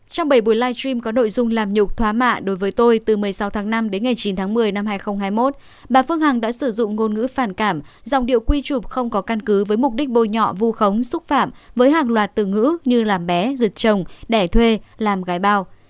trong bảy buổi live stream có nội dung làm nhục thoá mạ đối với tôi từ một mươi sáu tháng năm đến ngày chín tháng một mươi năm hai nghìn hai mươi một bà phương hằng đã sử dụng ngôn ngữ phản cảm dòng điệu quy chụp không có căn cứ với mục đích bôi nhọ vu khống xúc phạm với hàng loạt từ ngữ như làm bé dựt trồng đẻ thuê làm gái bao